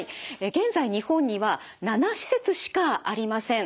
現在日本には７施設しかありません。